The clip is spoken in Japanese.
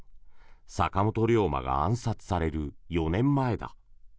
坂本龍馬が暗殺される４年前だ。